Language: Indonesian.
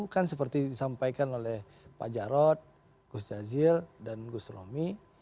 kan seperti disampaikan oleh pak jarod gus jazil dan gus romi